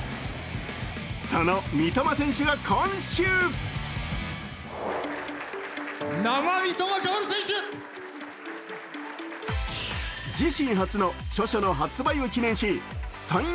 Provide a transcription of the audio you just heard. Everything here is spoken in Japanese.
その三笘選手が今週自身初の著書の発売を記念しサイン